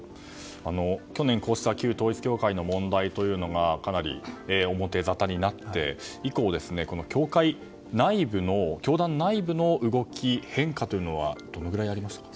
去年こうした旧統一教会の問題がかなり表ざたになって以降教団内部の動き、変化というのはどのぐらいありましたか？